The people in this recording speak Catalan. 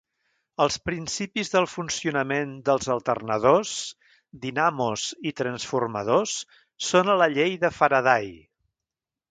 Els principis del funcionament dels alternadors, dinamos i transformadors són a la llei de Faraday.